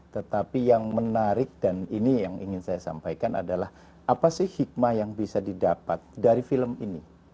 tetapi yang menarik dan ini yang ingin saya sampaikan adalah apa sih hikmah yang bisa didapat dari film ini